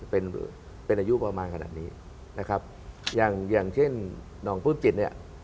เป็นเป็นอายุประมาณขนาดนี้นะครับอย่างอย่างเช่นหนองปื้มจิตเนี่ย